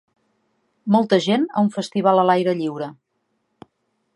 Molta gent a un festival a l'aire lliure.